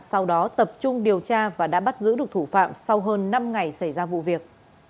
sau đó tập trung điều tra và đã bắt giữ được thủ phạm sau hơn năm ngày xảy ra vụ việc